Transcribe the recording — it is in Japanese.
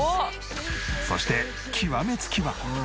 そして極めつきは。